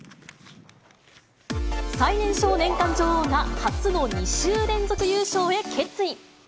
最年少年間女王が初の２週連続優勝へ決意。